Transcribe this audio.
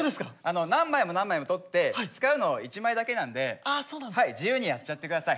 何枚も何枚も撮って使うのは１枚だけなんで自由にやっちゃってください。